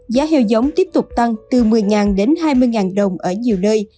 giá heo giống tiếp tục tăng từ một mươi đến hai mươi đồng ở nhiều nơi